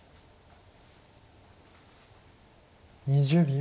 ２０秒。